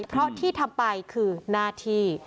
เพราะที่ทำไปคือหน้าที่